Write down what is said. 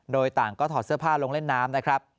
โดยต่างก็ถอดเสื้อผ้าลงเล่นน้ำนะครับ